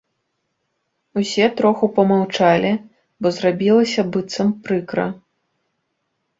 Усе троху памаўчалі, бо зрабілася быццам прыкра.